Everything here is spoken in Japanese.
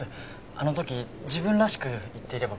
あの時自分らしく言っていれば。